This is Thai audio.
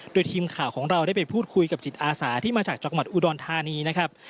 โดยทีมข่าวของเราได้ไปพูดคุยกับจิตอาสาที่มาจากจังหวัดอุดรธานีนะครับ